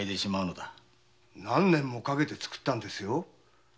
何年もかけて造ったんですよ。